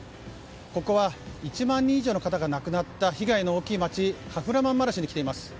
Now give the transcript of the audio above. ここは１万人以上の方が亡くなった被害の大きな街カフラマンマラシュに来ています。